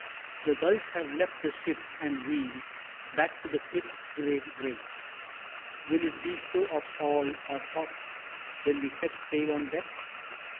The gulls have left the ship and wheel Back to the cliff's gray wraith. Will it be so of all our thoughts When we set sail on Death?